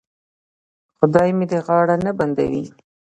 خدای مې دې غاړه نه بندوي.